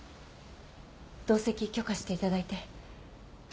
同席許可していただいて。